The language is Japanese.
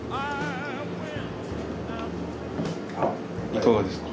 いかがですか？